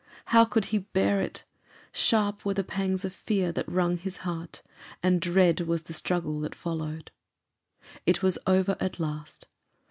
How could he bear it? Sharp were the pangs of fear that wrung his heart, and dread was the struggle that followed. It was over at last.